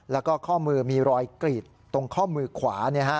แล้วก็ข้อมือมีรอยกรีดตรงข้อมือขวา